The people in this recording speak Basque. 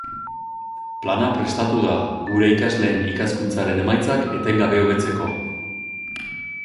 Plana prestatu da, gure ikasleen ikaskuntzaren emaitzak etengabe hobetzeko.